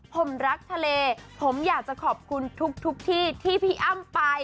ผมรักทะเลผมอยากจะขอบคุณทุกที่ที่พี่อ้ำไป